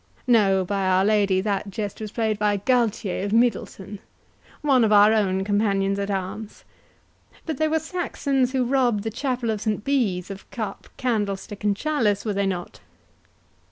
—No, by our Lady—that jest was played by Gualtier of Middleton, one of our own companions at arms. But they were Saxons who robbed the chapel at St Bees of cup, candlestick and chalice, were they not?"